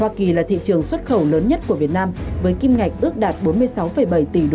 hoa kỳ là thị trường xuất khẩu lớn nhất của việt nam với kim ngạch ước đạt bốn mươi sáu bảy tỷ usd